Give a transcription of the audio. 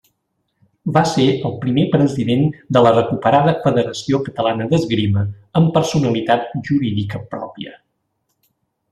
Va ser el primer president de la recuperada Federació Catalana d’Esgrima amb personalitat jurídica pròpia.